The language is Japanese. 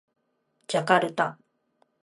ジャカルタ